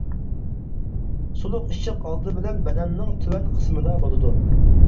سۇلۇق ئىششىق ئالدى بىلەن بەدەننىڭ تۆۋەن قىسمىدا بولىدۇ.